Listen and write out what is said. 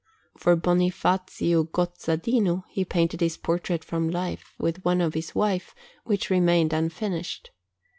For Bonifazio Gozzadino he painted his portrait from life, with one of his wife, which remained unfinished.